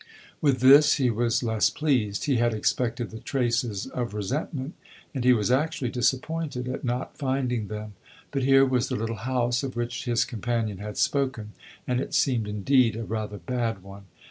With this he was less pleased; he had expected the traces of resentment, and he was actually disappointed at not finding them. But here was the little house of which his companion had spoken, and it seemed, indeed, a rather bad one.